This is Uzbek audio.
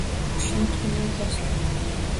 Xushnud kunlar boshlandi